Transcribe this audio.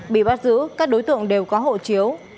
bị bắt giữ các đối tượng đều có hộ chiếu